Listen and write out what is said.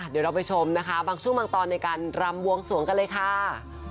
เดี๋ยวเราไปชมนะคะบางช่วงบางตอนในการรำบวงสวงกันเลยค่ะ